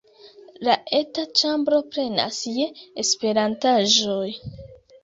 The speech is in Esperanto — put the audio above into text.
La eta ĉambro plenas je Esperantaĵoj.